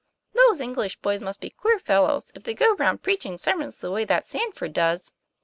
"Those English boys must be queer fellows, if they go round preaching sermons the way that Sandford does.